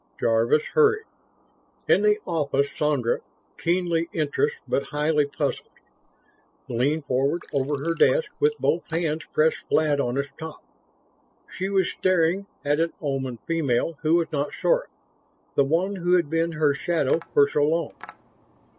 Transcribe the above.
Jarvis hurried. In the office Sandra, keenly interest but highly puzzled, leaned forward over her desk with both hands pressed flat on its top. She was staring at an Oman female who was not Sora, the one who had been her shadow for so long.